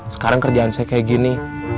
sekarang kerjaan saya kayak gini